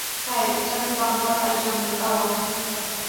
Chay chakwanqa hapallanmi kawan.